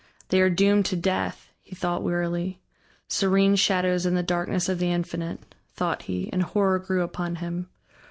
"They are doomed to death," he thought wearily. "Serene shadows in the darkness of the Infinite," thought he, and horror grew upon him.